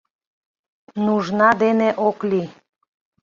Нужна дене ок лий.